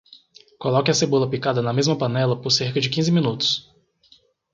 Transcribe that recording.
Coloque a cebola picada na mesma panela por cerca de quinze minutos.